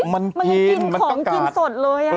มันยังกินของกินสดเลย